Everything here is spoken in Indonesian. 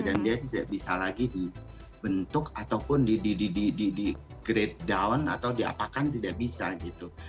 dan dia tidak bisa lagi dibentuk ataupun di grade down atau di apakan tidak bisa gitu